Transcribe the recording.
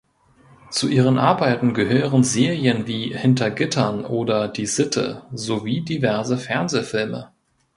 Zu ihren Arbeiten gehören Serien wie "Hinter Gittern" oder "Die Sitte" sowie diverse Fernsehfilme.